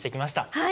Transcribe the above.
はい。